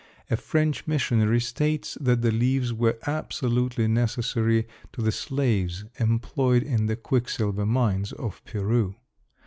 A French missionary states that the leaves were absolutely necessary to the slaves employed in the quicksilver mines of Peru.